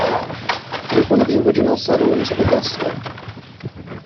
He was one of the original settlers of Augusta.